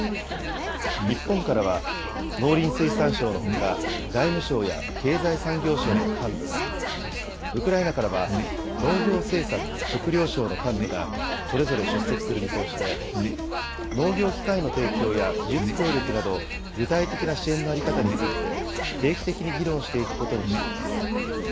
日本からは農林水産省のほか、外務省や経済産業省の幹部が、ウクライナからは農業政策・食料省の幹部がそれぞれ出席する見通しで、農業機械の提供や技術協力など、具体的な支援の在り方について、定期的に議論していくことにしています。